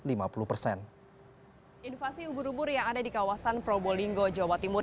invasi ubur ubur yang ada di kawasan probolinggo jawa timur